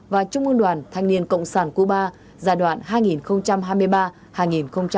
và trung ương đoàn thanh niên cộng sản cuba giai đoạn hai nghìn hai mươi ba hai nghìn hai mươi năm